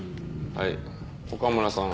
はい岡村さん